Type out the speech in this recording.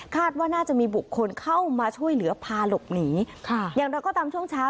ว่าน่าจะมีบุคคลเข้ามาช่วยเหลือพาหลบหนีค่ะอย่างเราก็ตามช่วงเช้า